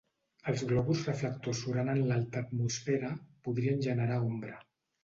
Els globus reflectors surant en l'alta atmosfera podrien generar ombra.